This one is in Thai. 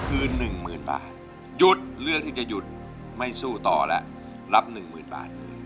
คือหนึ่งหมื่นบาทหยุดเลือกที่จะหยุดไม่สู้ต่อแล้วรับหนึ่งหมื่นบาท